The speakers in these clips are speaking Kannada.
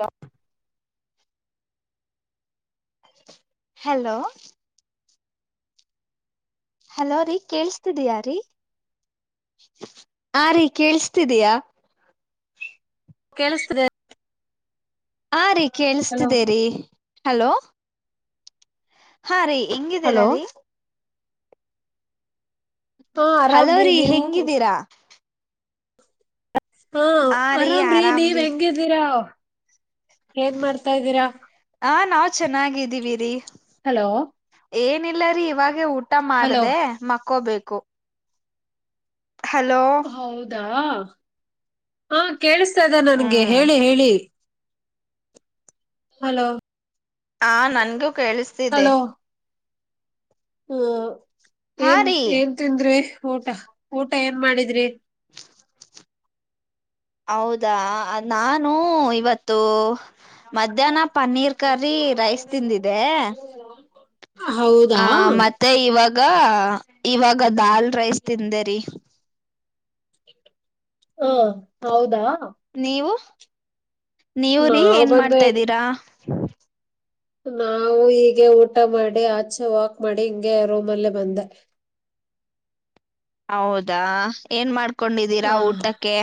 ಹ. ಹಲೋ. ಹಲೋ ರೀ ಕೇಳಿಸ್ತಿದಯ ರೀ ಆ ರೀ ಕೇಳಿಸ್ತಿದೀಯಾ. ಕೇಳಿಸ್ತ್ರೀ. ಹಾ ರೀ ಹಲೋ ಕೇಳಿಸ್ತಿದ್ದೇರಿ ಹಲೋ. ಹಾ ರೀ ಹೆಂಗಿದ್ದೀರ ಹಲೋ ರೀ. ಹಾ ಹಲೋ ಆರಾಮ್ರೀ ರೀ ನೀವು ಹೆಂಗಿದ್ದೀರಾ. ಹಾ ಆ ರೀ ಆರಾಮ್ರೀ ನೀವ್ ಹೆಂಗಿದ್ದೀರಾ ಏನ್ ಮಾಡ್ತಾದೀರಾ. ಹ ನಾವು ಚೆನ್ನಾಗಿದ್ದೀವಿ ರೀ. ಹಲೋ. ಏನಿಲ್ಲ ರೀ ಇವಾಗೇ ಊಟ ಹಲೋ ಮಾಡ್ದ ಮಕ್ಕೋಬೇಕು. ಹಲೋ ಹೌದಾ ಹ ಕೇಳಿಸತಾ ನನಗೆ ಹ್ಮ್ ಹೇಳಿ ಹೇಳಿ. ಹಲೋ ಹ ನನಗೂ ಕೇಳಿಸ್ತಿದೆೆ. ಹಲೋ ಹ್ಮ ಹಾ ಏನ್ ರೀ ಏನ್ ತಿಂದ್ರಿ ಊಟ ಊಟ ಏನ್ ಮಾಡಿದ್ರಿ? [inaudible] ಹೌದಾ ನಾನು ಇವತ್ತು ಮಧ್ಯಾಹ್ನ ಪನ್ನೀರ್ ಕರಿ ರೈಸ್ ತಿಂದಿದೆ ಹೌದಾ ಆ ಮ ಮತ್ತೆ [unintelligible] ಇವಾಗ ಇವಾಗ ದಾಲ್ ರೈಸ್ ತಿಂದೇರಿ. ಹಾ ಹೌದಾ ನೀವು ನೀವು ರೀ ನಾವ್ ಏನ್ ಬಂದು ಮಾಡ್ತಾ್ದೀರಾ? ನಾವು ಹೀಗೆ ಊಟ ಮಾಡಿ ಆಚೆ ವಾಕ್ ಮಾಡಿ ಹಿಂಗೆ ರೋಮ್ ಅಲ್ಲೇ ಬಂದೆ. ಹೌದಾ ಏನ್ ಮಾಡ್ಕೊಂಡಿದ್ದೀರಾ ಹ ಊಟಕ್ಕೆ?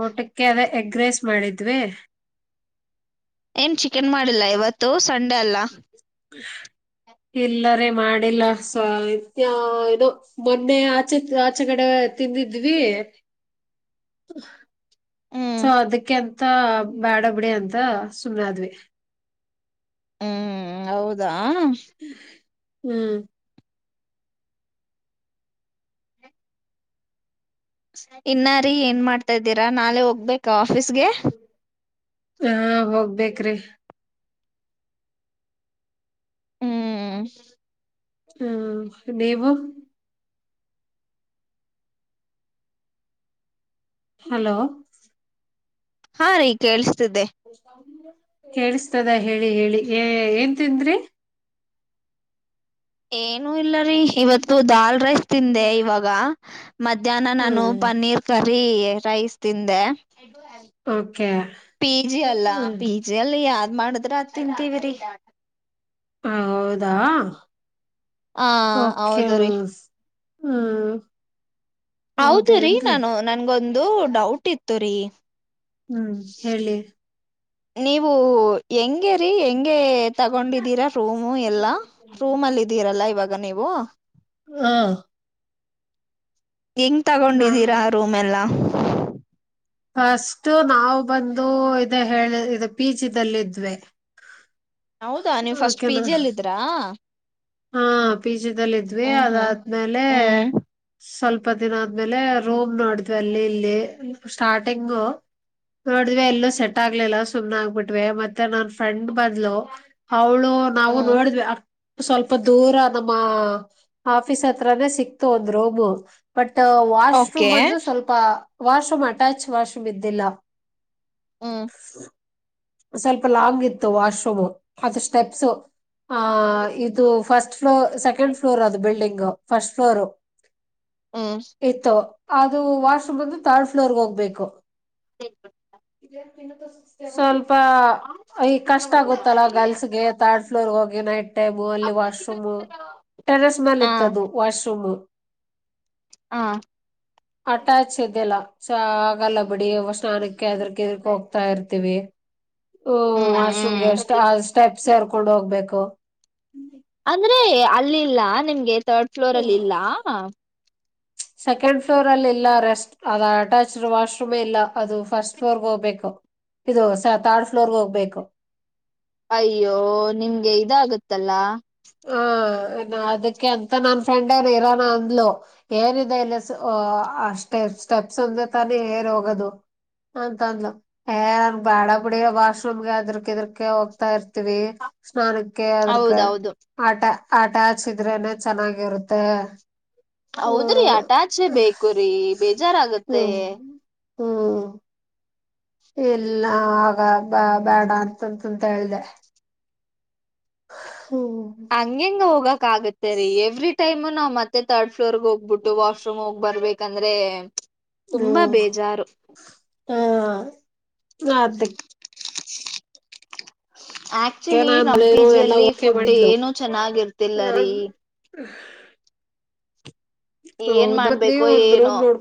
ಊಟಕ್ಕೆ ಅದೇ ಎಗ್ ರೈಸ್ ಮಾಡಿದ್ವಿ. ಏನ್ ಚಿಕನ್ ಮಾಡಿಲ್ಲ ಇವತ್ತು ಸಂಡೆ ಅಲ್ಲ? ಎಲ್ಲಾರೆ ರೀ ಮಾಡಿಲ್ಲ ಸ್ತ್ಯ [unintelligible] ಇದು ಮೊನ್ನೆ ಆಚೆ ಆಚೆಗಡೆ ತಿಂದಿದ್ವಿ. ಹ್ಮ್ ಸೊ ಅದಕ್ಕೆಂತ ಬ್ಯಾಡ ಬಿಡಿ ಅಂತ ಸುಮ್ಮನಾದ್ವಿ. ಹ್ಮ್ ಹೌದಾ ಹ್ಮ್ ಇನ್ನಾ ರೀ ಏನ್ ಮಾಡ್ತಾ ಇದ್ದೀರಾ ನಾಳೆ ಹೋಗ್ಬೇಕ ಆಫೀಸ್ಗೆ? ಹಾ ಹೋಗ್ಬೇಕ್ರೀ ಹ್ಮ್ ಹ್ಮ್ ನೀವು ಹಲೋ ಹಾ ರೀ ಕೇಳಿಸತಿದ್ದೆ. ಕೇಳಿಸತದ ಹೇಳಿ ಹೇಳಿ ಏ ಏನ್ ತಿಂದ್ರಿ? ಏನು ಇಲ್ಲಾರಿ ಇವತ್ತು ಇವತ್ತು ದಾಲ್ ರೈಸ್ ತಿಂದೆ ಇವಾಗ. ಮಧ್ಯಾಹ್ನ ನಾನು ಹ್ಮ್ ಪನ್ನೀರ್ ಕರಿ ರೈಸ್ ತಿಂದೆ. ಓಕೆ ಪಿ ಜಿ ಅಲ್ಲ ಪಿ ಜಿ ಅಲ್ಲಿ ಯಾದ್ ಮಾಡುದ್ರ ಅದನ್ ತಿಂತೀವ್ರಿ ರೀ. ಹ ಹೌದಾ ಆ ಓಕೆ ಹೌದು ರೀ ಹೌದ್ರೀ ರೀ ಹೌದೇನ್ರಿ ನಾನು ನನ್ಗೊಂದು ಡೌಟ್ ಇತ್ತು ರೀ? ಹ್ಮ್ ಹೇಳಿ ನೀವು ಹೆಂಗಗೆ ರೀ ಹೆಂಗೆ ತಗೊಂಡಿದ್ದೀರಾ. ರೂಮು ಎಲ್ಲಾ ರೂಮ್ ಅಲ್ಲಿ ಇದೀರಲ್ಲ ಇವಾಗ ನೀವು? ಹ ಹೆಂಗ್ ನಾ ತಗೊಂಡಿದ್ದೀರಾ ರೂಮ್ ಎಲ್ಲ? ಫಸ್ಟ್ ನಾವು ಬಂದು ಇದ ಹೇಳ ಪಿಜಿದಲ್ಲಿ ಇದ್ವಿ ಜಿದಲ್ಲಿದ್ವಿ. ಹೌದಾ ನೀವು್ ಫಸ್ಟ್ ಪಿ ಜಿ ಅಲ್ಲ ಇದ್ರ? ಹಾ ಪಿಜಲ್ಲ ಇದ್ವಿ ಇದ್ವಿ ಅದಾದ ಮೇಲ. ಹ್ಮ್ ಸ್ವಲ್ಪ ದಿನ ಆದ್ಮೇಲೆ ರೂಮ್ ನೋಡಿದ್ವಿ ಅಲ್ಲಿ ಇಲ್ಲಿ ಸ್ಟಾರ್ಟಿಂಗು. ನೋಡಿದ್ವಿ ಎಲ್ಲೂ ಸೆಟ್ ಆಗ್ಲಿಲ್ಲ ಸುಮ್ನೆ ಆಗ್ಬಿಟ್ವಿ ಮತ್ತೆ ನನ್ ಫ್ರೆಂಡ್ ಬದ್ಲು. ಅವಳು ನಾವು ಹ್ಮ್ ನೋಡುದ್ರೆ. ಸ್ವಲ್ಪ ದೂರ ನಮ್ಮ ಆಫೀಸ್ ಹತ್ರಾನೇ ಸಿಕ್ತು ಒಂದು ರೂಮ್ ಬಟ್ ಓಕೆ ವಾಶ್ರೂಮ್ ಬಂದು ಸ್ವಲ್ಪ ವಾಶ್ರೂಮ್ ಅಟ್ಯಾಚ್ ವಾಶ್ರೂಮ್ ಇದ್ದಿಲ್ಲ ಹ್ಮ ಸ್ವಲ್ಪ ಲಾಂಗ್ ಇತ್ತು ವಾಶ್ರೂಮ್ ಅದು ಸ್ಟೆಪ್ಸ್ ಆ ಇದು ಫಸ್ಟ್ ಫ್ಲೋರ್ ಸೆಕೆಂಡ್ ಫ್ಲೋರ್ ಅದು ಬಿಲ್ಡಿಂಗ್ ಫಸ್ಟ್ ಫ್ಲೋರ್ ಹ್ಮ ಇತ್ತು ಅದು ವಾಶ್ರೂಮ್ ಬಂದ ತರ್ಡ್ ಫ್ಲೋರ್ಗೆ ಹೋಗ್ಬೇಕು [inaudible] ಸ್ವಲ್ಪ್ ಪ ಈ ಕಷ್ಟ ಆಗುತ್ತಲ್ಲಾ ಗರ್ಲ್ಸ್ಗೆ ತರ್ಡ್ ಫ್ಲೋರ್ ಹೋಗಿ ನೈಟ್ ಟೇಬು ಅಲ್ಲಿ ವಾಶ್ರೂಮ್ ಟೆರೆಸ್ ಹ ಮೇಲೆ ಹ ಇತ್ತದು ವಾಶ್ರೂಮ್ ಹ ಅಟ್ಯಾಚ್ ಇದ್ದಿಲ್ಲ ಸ ಆಗಲ್ಲಬಿಡಿ ಸ್ನಾನಕ್ಕೆ ಅದ್ರಕ ಇದ್ರಕ್ ಹೋಗ್ತಾ ಇರ್ತಿವಿ ಹ್ಮ್ ವಾಶ್ರೂಮ್ಗೆ ಎಷ್ಟ ಸ್ಟೆಪ್ಸ್ ಸೇರ್ಕೊಂಡ್ ಹೋಗ್ಬೇಕು ಅಂದ್ರೆ ಅಲ್ಲಿಲ್ಲ ನಿಮ್ಗೆ ತರ್ಡ್ ಫ್ಲೋರ್ ಅಲ್ಲಿ ಇಲ್ಲ ಸೆಕೆಂಡ್ ಫ್ಲೋರ್ ಅಲ್ಲಿ ಇಲ್ಲ ರೆಸ್ಟ್ ಅದ ಅಟ್ಯಾಚ್ಡ್ ವಾಶ್ರೂಮೇ ಇಲ್ಲ ಅದು ಫಸ್ಟ್ ಫ್ಲೋರ್ಗೆ ಹೋಗ್ಬೇಕು ಇದು ತರ್ಡ್ ಫ್ಲೋರ್ಗೆ ಹೋಗ್ಬೇಕು ಅಯ್ಯೋ ನಿಮ್ಗೆ ಇದಾಗತ್ತಲ್ಲಾ ಹ ಅದಕ್ಕೆ ಅಂತ ನನ್ ಫ್ರೆಂಡ ನ್ ಇರೋನ ಅಂದ್ಲು ಏನಿದೆ ಇಲ್ಲ ಅಷ್ಟೆ ಸ್ಟೆಪ್ಸ್ ಅಂದ್ರೆ ತಾನೇ ಏರ್ ಹೋಗದು ಅಂಥದ್ಲು ಏ ನನ್ ಬ್ಯಾಡಾಬುಡು ವಾಶ್ರೂಮ್ಗೆ ಅದ್ರಕ ಇದ್ರಕ ಹೋಗ್ತಾ ಇರ್ತಿವಿ ಸ್ನಾನಕ್ಕೆ ಅದ್ರಕ ಹೌದೌದು ಆಟ ಆಟ ಹಚಿದ್ರೇನೆ ಚೆನ್ನಾಗಿರುತ್ತೆ ಹೌದ್ರಿ ಹ್ಮ್ ಅಟ್ಯಾಚೇ ಬೇಕುರೀ ಬೇಜಾರ್ಗತ್ತೆ ಹ್ಮ ಇಲ್ಲ ಆಗ ಬ ಬೇಡ ಅಂತಂತಂತ ಹೇಳ್ದ ಹ್ಮ್ ಹಂಗೆಂಗ್ ಹೋಗಕ್ ಆಗತ್ತೆ ರೀ ಎವ್ರಿ ಟೈಮು ನಾ ಮತ್ತೆ ತರ್ಡ್ ಫ್ಲೋರ್ಗ್ ಹೋಗ್ಬಿಟ್ಟು ವಾಶ್ರೂಮ್ ಹೋಗ್ ಬರ್ಬೇಕು ಯಾಕಂದ್ರೆ ಹ್ಮ ಹಾ ಅದ್ಕೆ ಆಕ್ಚುಲಿ ನಾನ್ ನಮ ಪಿ ಎಲ್ಲಾ ಜಿಯಲ್ಲಿ ಓಕೆ ಫುಡ್ ಮಾಡಿದ್ಲು ಏನು ಚೆನ್ನಾಗಿರ್ತಿಲ್ಲರಿ ಹಹ್ [inaudible] ಏನ್ ಹೌದ ಮಾಡ್ಬೇಕು ನೀವ್ ಒಂದ್ ಏನೋ ರೂಮ್ ನೋಡ್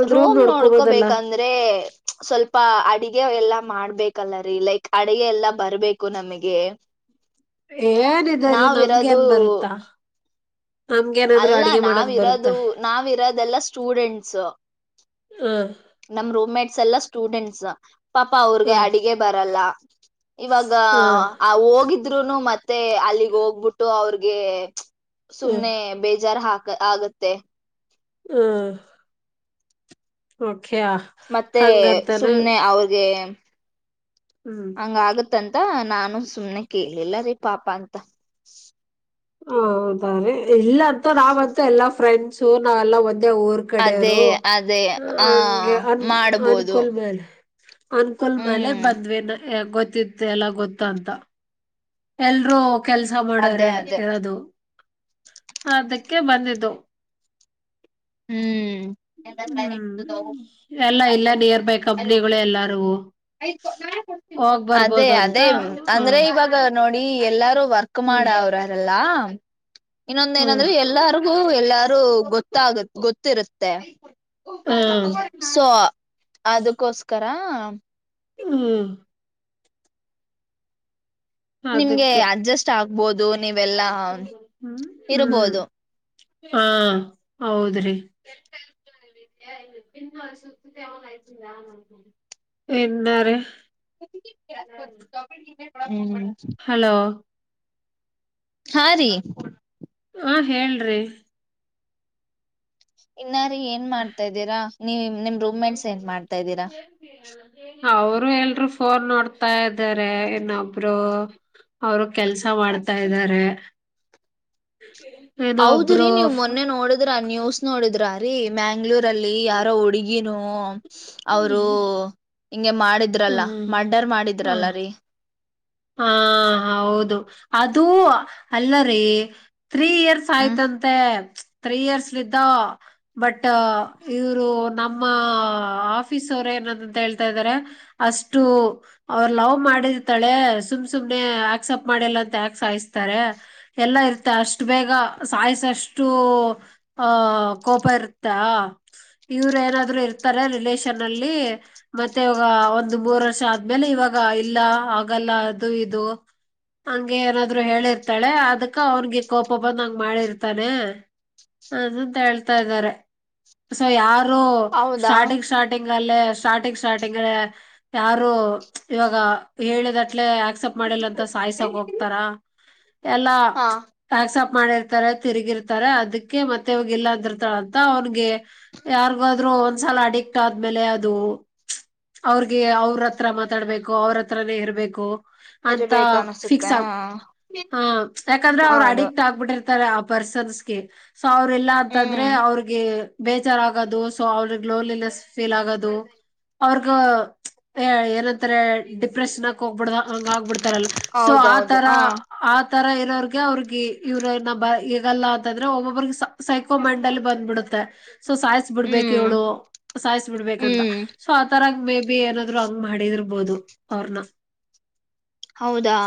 ಒಂದ್ ರೂಮ್ ರೋಮ್ ನೋಡ್ಕೋಬೋದಲ್ಲ ನೋಡ್ಕೋಬೇಕಂದ್ರೆ ಅ ಸ್ವಲ್ಪ ಅಡಗೆ ಎಲ್ಲಾ ಮಾಡ್ಬೇಕಲ್ಲ ರೀ ಲೈಕ್ ಅಡಗೆ ಎಲ್ಲಾ ಬರ್ಬೇಕು ನಮಗೆ [unintelligible] ಏನೆದೆನ್ರಿ ನಮ್ಗೆ ನಾವಿರೋದು ಏನ್ ಬರುತ್ತಾ ನಮ್ಗೇನಾದ್ರು ಅಲ್ಲ ಅಡ್ಗೆ ಮಾಡಕ್ ನಾವಿರೋದು ಬರುತ್ತಾ ನಾವಿರೋದೆಲ್ಲ ಸ್ಟೂಡೆಂಟ್ಸ್ ಹ್ಮ್ ನಮ್ ರೂಮ ಮೇಟ್ಸ್ ಎಲ್ಲ ಸ್ಟೂಡೆಂಟ್ಸ್ ಪಾಪ ಅವ್ರಗೆ ಹ ಅಡಿಗೆ ಬರಲ್ಲ ಇವಾಗ ಹ ಆ ಹೋಗಿದ್ರುನು ಮತ್ತೆ ಅಲ್ಲಿಗ್ ಹೋಗ್ಬಿಟ್ಟು ಅವ್ರಿಗೆ ಹ ಸುಮ್ನೆ ಬೇಜಾರ್ ಹಾಕ ಆಗತ್ತೆ ಹ್ಮ ಓಖ್ಯಾ ಮತ್ತೆ ಸುಮ್ನೆ ಅವ್ರಿಗೆ [unintelligible] ಹ್ಮ್ ಹಂಗ ಆಗುತ್ತೆ ಇತ್ತಂತ ನಾನು ಸುಮನೆ ಕೇಳಿಲ್ಲ ರೀ ಪಾಪ ಅಂತ ಹದ ಇಲ್ಲ ಅಂತೂ ನಾವ್ಂತು ಎಲ್ಲಾ ಫ್ರೆಂಡ್ಸು ನಾವೆಲ್ಲಾ ಒಂದೆ ಊರ್ ಅದೇ ಕಡೆಯವರು ಅದೇ ಆ ಹಂಗೆ ಅನ್ ಮಾಡ್ಬೋದು ಅನುಕೂಲ್ ಮೇಲೆ ಅನ್ಕೋಲ್ ಮಲೆ ಹ್ಮ್ ಬಂದ್ವಿ ಗೊತ್ತಿತ್ತು ಎಲ್ಲ ಗೊತ್ತ ಅಂತ ಎಲ್ರೂ ಕೆಲ್ಸ ಅದೇ ಮಾಡಾರೆ ಅದೇ ಇರದು ಅದಕ್ಕೆ ಬಂದಿದ್ದು. ಹ್ಮ್ ಹ್ಮ್ ಎಲ್ಲಾ ಇಲ್ಲೆ ನಿಯರ್ ಬೈ ಕಂಪ್ನಿಗಳೇ ಎಲ್ಲಾರವು ಅದೇ ಅದೇ ಅಂದ್ರೆ ಹ್ಮ್ ಇವಾಗ್ ನೋಡಿ ಎಲ್ಲಾರು ವರ್ಕ್ ಹ್ಮ್ ಮಾಡ ಅವ್ರರೆಲ್ಲ ಇನ್ನೊಂದ ಹ್ಮ್ ಏನಂದ್ರೆ ಎಲ್ಲಾರು ಹೂಂ ಎಲ್ಲಾರೂ ಗೊತ್ತಾಗ ಗೊತ್ತಿರುತ್ತೆ ಹ್ಮ್ [inaudible] ಸೊ ಅದಕೋಸ್ಕರ ಹ್ಮ್ ನಿಮ್ಗೆ ಅದಕ್ಕೆ ಅಡ್ಜಸ್ಟ್ ಆಗ್ಬೋದು ನೀವೆಲ್ಲಾ ಹ್ಮ್ ಹ್ಮ್ ಇರ್ಬೋದು ಹಾ ಹೌದ್ರಿ [inaudible] [inaudible] ಎನ್ನ ರೀ ಹ್ಮ [inaudible] ಹಲೋ ಹಾ ರೀ ಹ ಹೇಳ್ರಿ ಇನ್ನಾರೀ ಏನ್ ಮಾಡ್ತಾ ಇದ್ದೀರಾ ನೀವ ನಿಮ್ ರೂಮ್ ಮೆಂಟ್ಸ್ ಏನ್ ಮಾಡ್ತಾ ಇದ್ದೀರಾ? ಅವರು ಎಲ್ರು ಫೋನ್ ನೋಡ್ತಾ ಇದಾರೆ ಇನ್ನೊಬ್ರು ಅವರು ಕೆಲ್ಸ ಮಾಡ್ತಾ ಇದ್ದಾರೆ ಏನೋ ಹೌದ್ರೀ ಒಬ್ರು ನೀವ್ ಫ್- ಮೊನ್ನೆ ನೋಡ ದ್ರ ನ್ಯೂಸ್ ನೋಡಿದ್ರ ರೀ ಮ್ಯಾಂಗ್ಳೂರಲ್ಲಿ ಯಾರೋ ಹುಡುಗಿನೂ ಅವರು ಹಿಂಗೆ ಮಾಡಿದ್ರಲ್ಲ ಹ್ಮ್ ಮರ್ಡರ್ ಹ ಮಾಡಿದ್ರಲ್ಲ ರೀ ಹಾ ಹೌದು ಅದು ಅಲ್ಲರಿ ತ್ರೀ ಇಯರ್ಸ್ ಹ್ಮ್ ಆಯ್ತಂತೆ ತ್ರೀ ಇಯರ್ಸ್ಲಿದ್ದ ಬಟ್ ಇವರು ನಮ್ಮ ಆಫೀಸ್ ಅವರು ಏನಂತಂತ ಹೇಳ್ತಾಇದರೆ ಅಷ್ಟು ಅವ್ರ ಲವ್ ಮಾಡಿರ್ತಾಳೆ ಸುಮ್ ಸುಮ್ನೆ ಆಕ್ಸಪ್ಟ ಮಾಡಲ್ಲ ಅಂತ ಯಕ್ ಸಾಯಿಸ್ತಾರೆ ಎಲ್ಲ ಇರ್ತ ಅಷ್ಟು ಬೇಗ ಸಾಯಸಷ್ಟು ಆಹ ಕೋಪ ಇರುತ್ತೆ ಇವ್ರ ಏನಾದ್ರು ಇರ್ತಾರೆ ರಿಲೇಷನ್ ಅಲ್ಲಿ ಮತ್ತೆ ಇವಾಗ ಒಂದು ಮೂರ್ ವರ್ಷ ಆದ್ಮೇಲೆ ಇವಾಗ ಇಲ್ಲ ಆಗಲ್ಲ ಅದು ಇದು ಹಂಗೆ ಏನಾದ್ರು ಹೇಳಿರ್ತಾಳೆ ಅದಕ್ಕ ಅವನ್ಗೆ ಕೋಪ ಬಂದ್ ಹಂಗ್ ಮಾಡಿರ್ತಾನೆ ಅದಂತ ಹೇಳ್ತಾ ಇದ್ದಾರೆ ಸೊ ಯಾರು ಹೌದಾ ಸ್ಟಾರ್ಟಿಂಗ್ ಸ್ಟಾರ್ಟ್ ಸ್ಟಾರ್ಟಿಂಗ್ ಅಲ್ಲೆ ಸ್ಟಾರ್ಟಿಂಗ್ ಸ್ಟಾರ್ಟಿಂಗ್ ಅ ಯಾರು ಇವಾಗ ಹೇಳಿದಟ್ಲೆ ಎಕ್ಸಪ್ ಮಾಡಿಲ್ಲ ಅಂತ ಸಾಯ್ಸಕ ಹೋಗ್ತಾರ ಎಲ್ಲಾ ಹಾ ಆಕ್ಸಪ್ಟ್ ಮಾಡಿರ್ತಾರೆ ತಿರುಗಿರ್ತಾರೆ ಅದಕ್ಕೆ ಮತ್ತೆ ಇವಾಗ ಇಲ್ಲ ಅಂದ್ರರ್ತಾಳ ಅಂತ ಅವನ್ಗೆ ಯಾರ್ಗಾದ್ರು ಒಂದ್ಸಲ ಅಡಿಕ್ಟ್ ಆದ್ಮೇಲೆ ಅದು ಅವ್ರಗೆ ಅವ್ರ ಹತ್ರ ಮಾತಾಡ್ಬೇಕು ಅವ್ರ ಹತ್ರಾನೇ ಇರ್ಬೇಕು ಅಂತ ಇರ್ಬೇಕ ಅನ್ಸುತ್ತೆ ಫಿಕ್ಸ್ ಆಗ ಹ ಹ ಯಾಕಂದ್ರೆ ಅವರು ಹೌದು ಅಡಿಕ್ಟ್ ಆಗ್ಬಿಟ್ಟಿರ್ ತರ ಆ ಪರ್ಸನ್ಸ್ಗೆ ಸೊ ಅವ್ರ ಇಲ್ಲ ಅಂತಂದ್ರೆ ಹ್ಮ್ ಅವ್ರಿಗೆ ಬೇಜಾರ ಆಗೋದು ಸೊ ಅವ್ರಗ್ ಲೋಲಿನೆಸ್ ಫೀಲ್ ಆಗೋದು ಅವ್ರಗ ಏನಂತಾರೆ ಡಿಪ್ರೆಷನ್ಕ್ ಹೋಗ್ಬಿಡ ಹಂಗ ಆಗ್ಬಿಡ್ತಾರಲ್ಲ ಸೊ ಹೌದೌದು ಆತರ ಹ ಆ ತರ ಇರೋರಿಗೆ ಅವ್ರಿಗೆ ಇವ್ರ ನ [unintelligible] ಅಂತಂದ್ರೆ ಒಬ್ಬೊಬ್ರಿಗೆ [unintelligible] ಸೈಕೋಮೆಂಡಲ್ ಬಂದ್ಬಿಡುತ್ತೆ ಸೊ ಸಾಯಸ್ ಬಿಡ್ಬೇಕು ಹ್ಮ್ ಇವಳು ಸಾಯಸ್ ಬಿಡ್ಬೇಕಂತ ಹ್ಮ್ ಸೊ ಆ ತರಾಗ ಮೇ ಬಿ ಏನಾದ್ರು ಹಂಗ್ ಮಾಡಿದಿರ್ಬೋದು ಅವ್ರನ ಹೌದಾ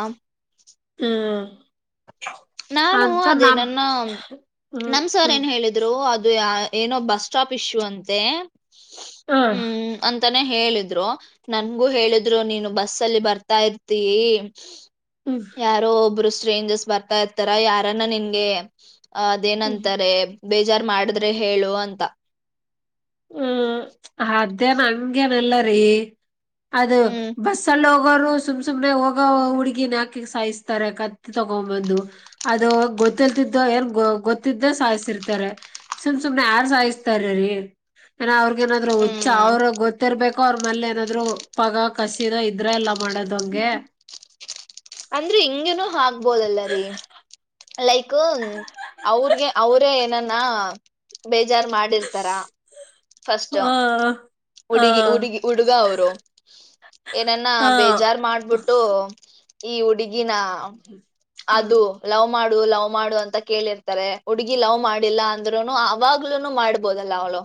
ಹ್ಮ್ ನಾನು ಅಂತ ಅದೇ ನಮ್ ನನ್ನ ಹ್ಮ್ ನಮ್ ಸರ್ ಹ್ಮ್ ಏನ್ ಹೇಳಿದ್ದ ಅಂದ್ರು ಅದು ಏನೋ ಬಸ್ಸ್ಟ್ಯಾಂಪ್ ಇಸ್ಸು ಅಂತ್ತೆ. ಹ್ಮ್ ಹ್ಮ [unintelligible] ತಾನೇ ಹೇಳಿದ್ರು ನನ್ಗೂ ಹೇಳಿದ್ರು ನೀನು ಬಸ್ ಅಲ್ಲಿ ಬರ್ತಾ ಇರ್ತೀಯಿ ಹ್ಮ್ ಯಾರೋ ಒಬ್ರು ಸ್ಟ್ರೇಂಜರ್ಸ್ ಬರ್ತಾ ಇರ್ತಾರ ಯಾರನ್ನ ನಿನ್ಗೆ ಅ ಹ್ಮ್ ಅದೇನಂತಾರೆ ಬೇಜಾರ್ ಮಾಡಿದ್ರೆ ಹೇಳು ಅಂತ ಹ್ಮ್ ಅಧ್ಯಾಹನ ಹಂಗೇನಲ್ಲರಿ ಅದು ಹ್ಮ್ ಬಸ್ಸಲ್ಲಿ ಹೋಗೋರು ಸುಮ್ ಸುಮ್ನೆ ಹೋಗ ಹುಡ್ಗಿನ ಹಾಕಿ ಸಾಯಿಸ್ತಾರೆ ಕತ್ ತಗೊಬಂದು ಅದು ಗೊತ್ತಿಲ್ತಿದ್ದೋ ಏನ್ ಗೊತ್ತಿದ್ದೆ ಸಾಯಿಸಿರ್ತಾರೆ ಸುಮ್ ಸುಮ್ನೆ ಯಾರ್ ಸಾಯಿಸ್ತಾರೀ ಏನ ಅವ್ರಗ ಏನಾದ್ರು ಹುಚ್ಚ ಹ್ಮ್ ಅವ್ರ ಗೊತ್ತಿರ್ಬೇಕ ಕ್ಕ ಅವ್ರ ಮೇಲೆ ಏನಾದ್ರು ಪಗ ಕಸೀದ ಇದ್ರ ಎಲ್ಲ ಮಾಡೋದ್ ಹಂಗೆ ಅಂದ್ರೆ ಹಿಂಗೇನುೂ ಹಾಬೋದಲ್ಲ ರೀ ಲೈಕ್ ಅವ್ರಗೆ ಅವರೇ ಏನಾನ ಬೇಜಾರ್ ಮಾಡಿರ್ ತರಾ ಫಸ್ಟ್. ಹ ಹ ಹುಡುಗಿ ಹುಡುಗಿ ಹುಡುಗ ಅವರು ಏನನ್ನ ಹ ಬೇಜಾರ್ ಮಾಡ್ಬಿಟ್ಟ [unintelligible] ಈ ಹುಡುಗಿನ ಹ್ಮ್ ಅದು ಲವ್ ಮಾಡು ಲವ್ ಮಾಡು ಅಂತ ಕೇಳಿರ್ತಾರೆ ಹುಡುಗಿ ಲವ್ ಮಾಡಿಲ್ಲ ಅಂದ್ರುನು ಅವಾಗ [unintelligible] ಮಾಡ್ಬೋದಲ್ಲ ಅವಳು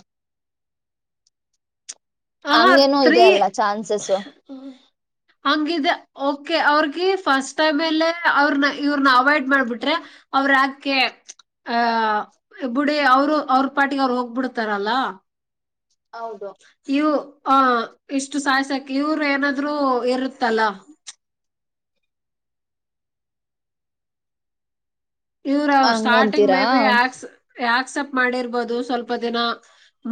ಹಂಗೇನು ಇದೆ ಅಲ್ಲ ಚಾನ್ಸಸ್ ಹ [inaudible] ಹಂಗಿದೆ ಓಕೆ ಅವ್ರಗಿ ಫಸ್ಟ್ ಟೈಮ್ ಅಲ್ಲ ಅವ್ರನ ಇವ್ರನ ಅವಾಯ್ಡ್ ಮಾಡ್ಬಿಟ್ರೆ ಅವ್ರಾಕೆ ಆಹ [inaudible] ಬುಡಿ ಅವರು ಅವ್ರ ಪಾಟಿಗೆ ಅವ್ರು ಹೋಗ್ಬಿಡ್ತಾರಲ್ಲ ಹೌದು ಇವು ಆ ಇಷ್ಟು ಸಾಯ್ಸಕ ಇವರು ಏನಾದ್ರು ಇರುತ್ತಲ್ಲ ಇವ್ರ ಸ್ಟಾರ್ಟಿಂಗ್ ಹಂಗಂತೀರಾ ಮೇ ಬಿ ಆಕ್ಸೆಪ್ಟ್ ಮಾಡಿರ್ಬೋದು ಸ್ವಲ್ಪ ದಿನ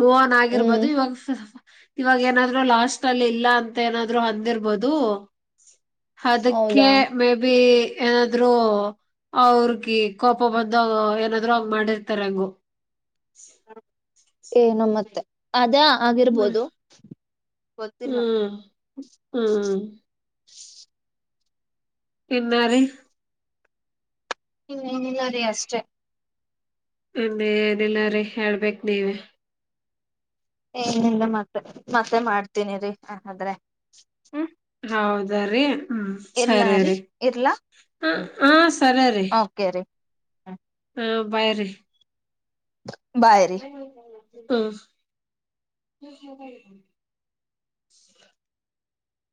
ಮೋಹನ್ ಆಗಿರ್ಬೋದು ಹ್ಮ್ ಇವಾಗ [unintelligible] ಸ್ವಲ್ಪ ಇವಾಗ ಏನಾದ್ರು ಲಾಸ್ಟ್ ಅಲ್ಲಿ ಇಲ್ಲ ಅಂತ ಏನಾದ್ರು ಅಂದಿರ್ಬೋದು ಅದಕ್ಕೆ ಹೌದಾ ಮೇ ಬಿ ಏನಾದ್ರು ಅವ್ರಗೆ ಈ ಕೋಪ ಬಂದ ಏನಾದ್ರು ಹಂಗ್ ಮಾಡಿರ್ತಾರೆ ಹಂಗ [inaudible] ಏನೋ ಮತ್ತೆ ಅದೇ ಹ್ಮ್ ಆಗಿರ್ಬೋದು [inaudible] ಗೊತ್ತಿಲ್ಲ ಹ್ಮ ಇನ್ನರೀ ಇನ್ನಲಿಲರೀ ಅಷ್ಟೇ ಇನ್ನ ಏನಿಲ್ಲ ರೀ ಹೇಳ್ಬೇಕ್ ನೀವೆ ಇನೀಲ ಮತ್ತೆ ಮತ್ತೆ ಮಾಡ್ತೀನಿ ಇರಿ ಆದ್ರೆ ಹ್ಮ್ ಹೌದ ರೀ ಹ್ಮ್ ಇರ್ಲ ಸರಿ ರೀ ರಿ ಇರ್ಲಾ ಹ ಹ ಸರಿ ರಿ ಕೇರಿ ಹ ಬಹಿರಿ [inaudible] ಬಾಯ್ರ ರೀ ಹ್ಮ [unintelligible]